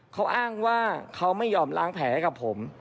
เขาอ้างว่าเขาไม่ยอมล้างแผลให้กับผม